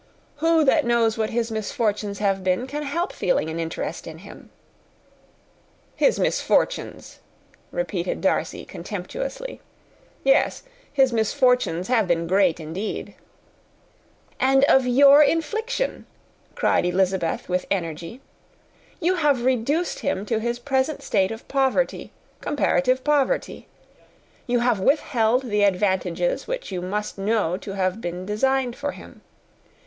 "Who that knows what his misfortunes have been can help feeling an interest in him?" "His misfortunes!" repeated Darcy, contemptuously, "yes, his misfortunes have been great indeed." "And of your infliction," cried Elizabeth, with energy; "You have reduced him to his present state of poverty comparative poverty. You have withheld the advantages which you must know to have been designed for him.